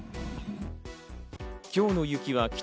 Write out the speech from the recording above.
今日の雪は帰宅